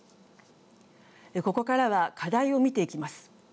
ここからは課題を見ていきます。